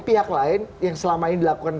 pihak lain yang selama ini dilakukan